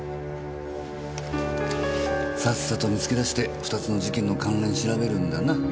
さっさと見つけ出して２つの事件の関連調べるんだな。